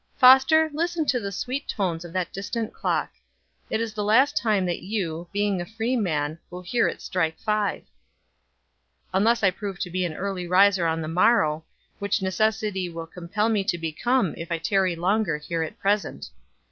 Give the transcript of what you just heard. "Foster, listen to the sweet tones of that distant clock. It is the last time that you, being a free man, will hear it strike five." "Unless I prove to be an early riser on the morrow, which necessity will compel me to become if I tarry longer here at present.